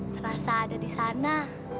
serasa ada di sana